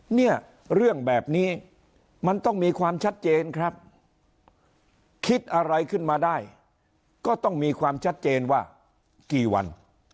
เนี่ยเรื่องแบบนี้มันต้องมีความชัดเจนครับคิดอะไรขึ้นมาได้ก็ต้องมีความชัดเจนว่ากี่วัน